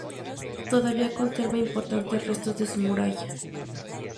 Todavía conserva importantes restos de su muralla.